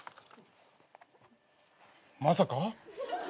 まさか。